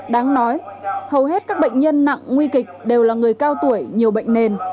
đáng nói hầu hết các bệnh nhân nặng nguy kịch đều là người cao tuổi nhiều bệnh nền